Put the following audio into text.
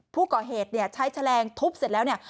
ผู้ก่อเหตุเนี่ยใช้แฉลงทุบเสร็จแล้วเนี่ย